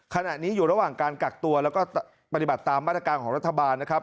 ขณะนี้อยู่ระหว่างการกักตัวแล้วก็ปฏิบัติตามมาตรการของรัฐบาลนะครับ